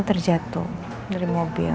terjatuh dari mobil